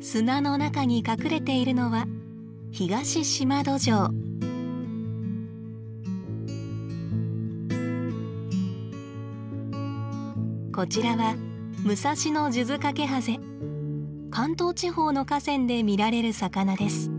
砂の中に隠れているのはこちらは関東地方の河川で見られる魚です。